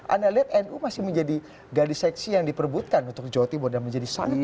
anda lihat nu masih menjadi gadis seksi yang diperbutkan untuk jawa timur dan menjadi sangat penting